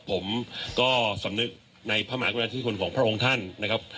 ผมก็สำนึกในพระมหากรุณาธิคุณของพระองค์ท่านนะครับ